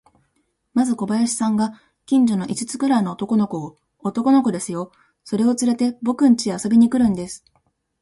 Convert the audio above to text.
まず小林さんが、近所の五つくらいの男の子を、男の子ですよ、それをつれて、ぼくんちへ遊びに来るんです。